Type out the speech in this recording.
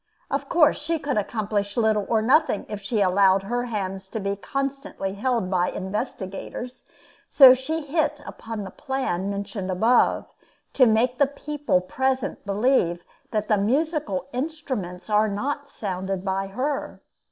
Of course, she could accomplish little or nothing if she allowed her hands to be constantly held by investigators; so she hit upon the plan mentioned above, to make the people present believe that the musical instruments are not sounded by her.